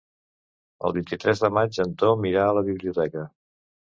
El vint-i-tres de maig en Tom irà a la biblioteca.